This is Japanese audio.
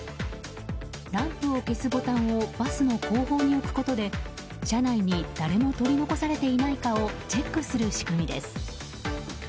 ランプを消すボタンをバスの後方に置くことで車内に誰も取り残されていないかをチェックする仕組みです。